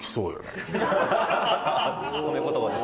褒め言葉です